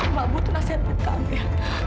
aku gak butuh nasihat buat kamu ya